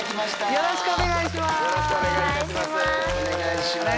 よろしくお願いします。